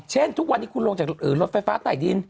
ทุกวันนี้คุณลงจากรถไฟฟ้าใต้ดิน